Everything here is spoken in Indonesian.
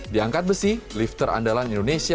diangkat besi lifter andalan indonesia